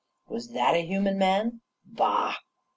"Was that a human man? Bah!